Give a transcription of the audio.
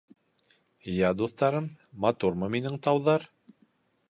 — Йә, дуҫтарым, матурмы минең тауҙар?